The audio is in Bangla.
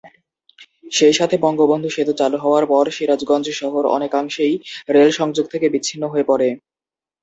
সেই সাথে বঙ্গবন্ধু সেতু চালু হওয়ার পর সিরাজগঞ্জ শহর অনেকাংশেই রেল সংযোগ থেকে বিচ্ছিন্ন হয়ে পড়ে।